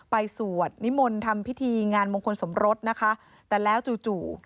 สวดนิมนต์ทำพิธีงานมงคลสมรสนะคะแต่แล้วจู่จู่